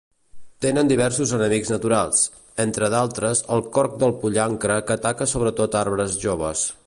Tenen diversos enemics naturals, entre d'altres el corc del pollancre que ataca sobretot arbres joves.